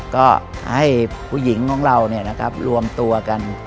ก็ให้ผู้หญิงของเรารวมตัวกัน